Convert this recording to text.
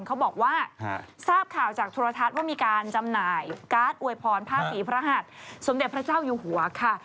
เขาบอกว่าทราบข่าวจากโทรทัศน์ว่ามีการจำหน่ายการ์ดอวยพรผ้าสีพระหัสสมเด็จพระเจ้าอยู่หัวค่ะ